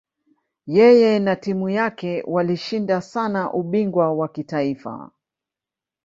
Yeye na timu yake walishinda sana ubingwa wa kitaifa.